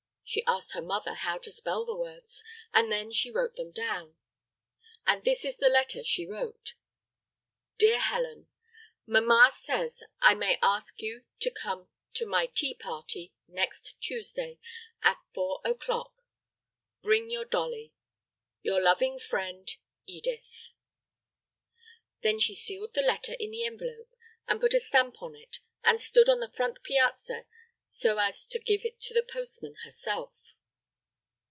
She asked her mother how to spell the words and then she wrote them down. And this is the letter she wrote: [Illustration: hand written letter Dear Helen, Mamma says I May ask you to come to my tea party next Tuesday at four oclock Bring your dolly. your loving friend. Edith] Then she sealed the letter in the envelop, and put a stamp on it, and stood on the front piazza so as to give it to the postman herself.